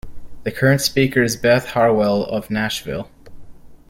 The current Speaker is Beth Harwell of Nashville.